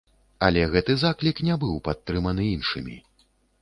Але гэты заклік не быў падтрыманы іншымі.